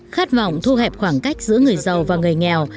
khát vọng thu hẹp khoảng cách giữa người giàu và người nghèo